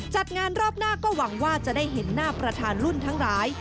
จัดงานรอบหน้าก็หวังว่าจะได้เห็นหน้าประธานรุ่นทั้งหลาย